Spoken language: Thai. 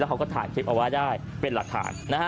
แล้วเขาก็ถ่ายคลิปออกว่าได้เป็นหลักฐาน